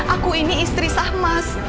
aku ini istri sah mas